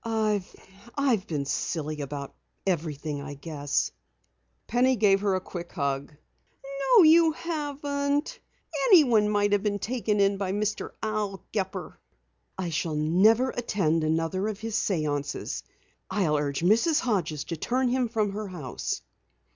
"I I've been silly about everything, I guess." Penny gave her a quick hug. "No, you haven't. Anyone might have been taken in by Al Gepper." "I shall never attend another of his séances. I'll urge Mrs. Hodges to turn him from her house."